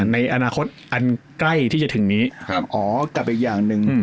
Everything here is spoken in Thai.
ในอนาคตอันใกล้ที่จะถึงนี้อ๋อกลับอีกอย่างหนึ่ง